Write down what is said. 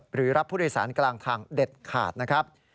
หรือรับผู้โดยสารกลางทางเด็ดขาดนะครับ